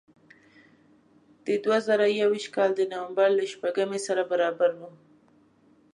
د دوه زره یو ویشت کال د نوامبر له شپږمې سره برابر و.